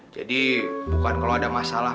jadi bukan kalo ada masalah